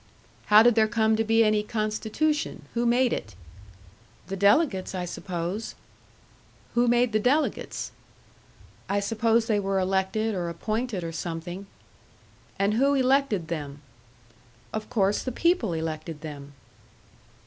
"How did there come to be any Constitution? Who made it?" "The delegates, I suppose." "Who made the delegates?" "I suppose they were elected, or appointed, or something." "And who elected them?" "Of course the people elected them."